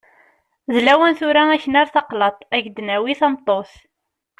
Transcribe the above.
D lawan tura ad k-nerr taqlaḍt, ad k-d-nawi tameṭṭut.